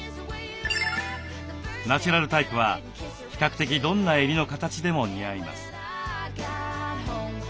ナチュラルタイプは比較的どんな襟の形でも似合います。